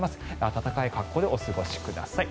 暖かい格好でお過ごしください。